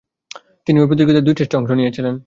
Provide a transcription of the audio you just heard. তিনি ঐ প্রতিযোগিতায় দুই টেস্টে অংশ নিয়েছিলেন।